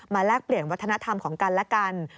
แลกเปลี่ยนวัฒนธรรมของกันและกัน